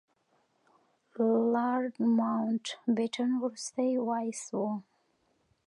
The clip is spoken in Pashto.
لارډ ماونټ بیټن وروستی وایسराय و.